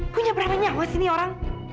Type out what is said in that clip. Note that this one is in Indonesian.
punya berapa nyawa sini orang